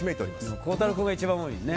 孝太郎君が一番多いね。